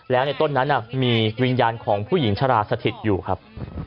แล้วในต้นนั้นมีวิญญาณของผู้หญิงชราสถิตอยู่ครับ